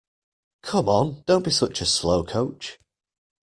Come on! Don't be such a slowcoach!